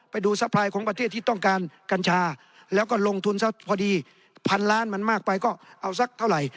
ซัพพลายของประเทศที่ต้องการกัญชาแล้วก็ลงทุนซะพอดีพันล้านมันมากไปก็เอาสักเท่าไหร่